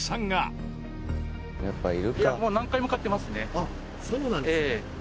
「あっそうなんですね」